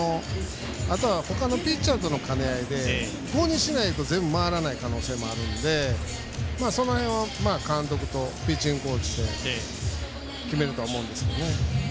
あとは他のピッチャーとの兼ね合いで、５にしないと全部回らない可能性があるのでその辺は監督とピッチングコーチで決めるとは思いますね。